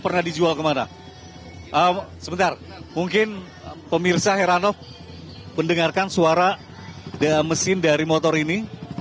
pernah dijual kemana sebentar mungkin pemirsa heranov mendengarkan suara mesin dari motor ini